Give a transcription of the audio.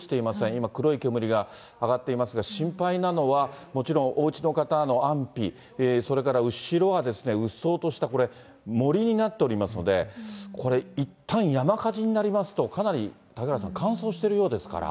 今、黒い煙が上がっていますが、心配なのは、もちろん、おうちのかたの安否、それから後ろはですね、うっそうとしたこれ、森になっておりますので、これ、いったん山火事になりますと、かなり嵩原さん、乾燥しているようですから。